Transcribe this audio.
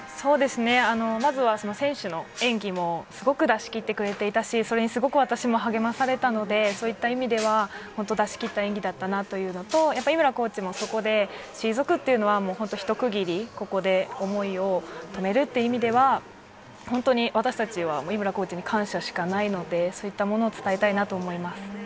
まずは選手の演技もすごく出し切ってくれていたし、私も励まされたので、そういった意味では本当に出し切った演技だったなっていうのと井村コーチもそこで退くっていうのは、ここでひと区切り、思いを止めるっていう意味では、私たちは井村コーチに感謝しかないので、そういったものを伝えたいなと思います。